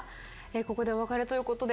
ここでお別れということで。